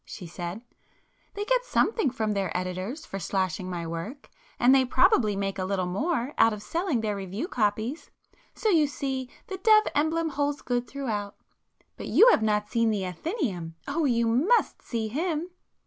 she said—"They get something from their editors for 'slashing' my work,—and they probably make a little more out of selling their 'review copies.' So you see the dove emblem holds good throughout. But you have not seen the 'Athenæum,'—oh, you must see him!"